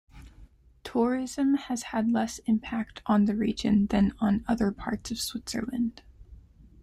Tourism has had less impact on the region than on other parts of Switzerland.